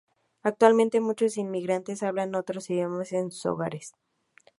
Actualmente, muchos inmigrantes hablan otros idiomas en sus hogares.